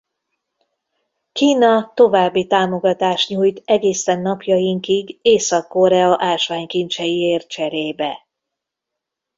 Kína további támogatást nyújt egészen napjainkig Észak-Korea ásványkincseiért cserébe.